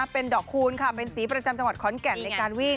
เป็นดอกคูณค่ะเป็นสีประจำจังหวัดขอนแก่นในการวิ่ง